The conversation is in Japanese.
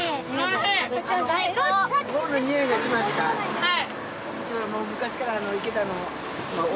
はい。